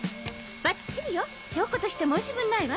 バッチリよ証拠として申し分ないわ。